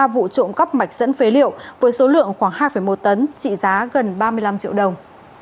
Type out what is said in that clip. ba vụ trộm cắp mạch dẫn phế liệu với số lượng khoảng hai một tấn trị giá gần ba mươi năm triệu đồng